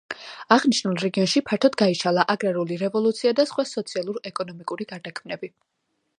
აღნიშნულ რეგიონში ფართოდ გაიშალა აგრარული რევოლუცია და სხვა სოციალურ-ეკონომიკური გარდაქმნები.